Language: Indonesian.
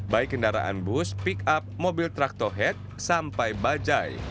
baik kendaraan bus pick up mobil traktohead sampai bajaj